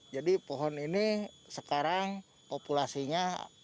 jadi pohon ini sekarang populasinya